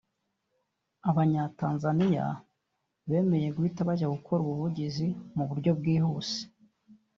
Abanya-Tanzania bemeye guhita bajya gukora ubuvugizi mu buryo bwihuse